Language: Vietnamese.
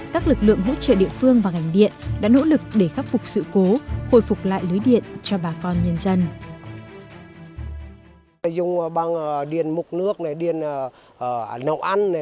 các lực lượng hỗ trợ địa phương và ngành điện đã nỗ lực để khắc phục sự cố hồi phục lại lưới điện cho bà con nhân dân